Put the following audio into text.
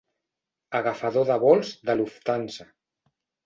Agafador de vols de Lufthansa.